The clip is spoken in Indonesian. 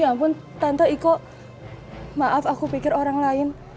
ya ampun tante iko maaf aku pikir orang lain